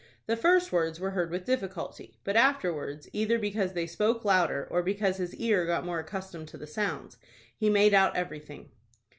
The first words were heard with difficulty, but afterwards, either because they spoke louder or because his ear got more accustomed to the sounds, he made out everything.